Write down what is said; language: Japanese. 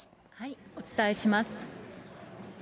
お伝えします。